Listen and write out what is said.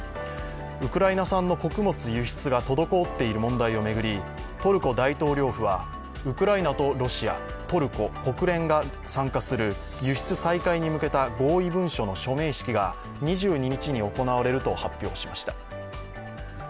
ウクライナ産の穀物輸出が滞っている問題を巡りトルコ大統領府はウクライナとロシア、トルコ、国連が参加する輸出再開に向けた合意文書の署名式が２２日に行われると発表しました。